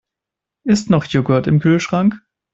Ist noch Joghurt im Kühlschrank?